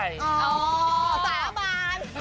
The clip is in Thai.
อ๋อซ้าบาน